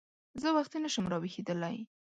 زه وختي نه شم راویښېدلی !